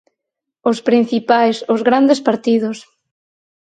Os principais, os grandes partidos.